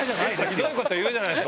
ひどいこと言うじゃないです